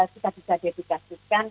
kita bisa dedikasi